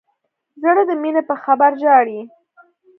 زړه د مینې په خبر ژاړي.